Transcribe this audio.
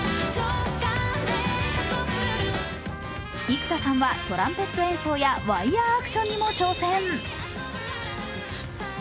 幾田さんは、トランペット演奏やワイヤーアクションにも挑戦。